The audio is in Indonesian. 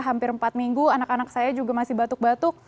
hampir empat minggu anak anak saya juga masih batuk batuk